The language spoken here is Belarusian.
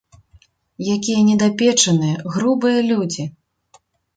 Якія недапечаныя, грубыя людзі.